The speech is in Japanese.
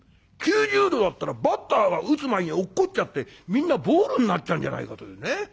９０度だったらバッターが打つ前に落っこっちゃってみんなボールになっちゃうんじゃないかというね。